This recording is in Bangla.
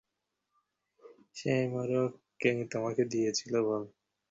সেই মোড়ক কে তোমাকে দিয়েছিল বলো।